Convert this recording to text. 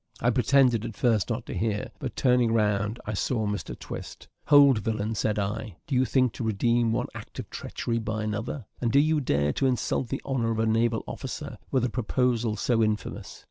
I pretended at first not to hear, but, turning round, I saw Mr Twist. "Hold, villain!" said I; "do you think to redeem one act of treachery by another? and do you dare to insult the honour of a naval officer with a proposal so infamous?